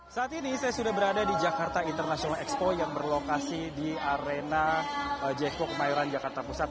saat ini saya sudah berada di jakarta international expo yang berlokasi di arena jeko kemayoran jakarta pusat